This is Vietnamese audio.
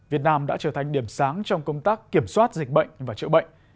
vn đã trở thành điểm sáng trong công tác kiểm soát dịch bệnh và chữa bệnh